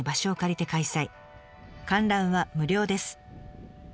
観覧は無料です。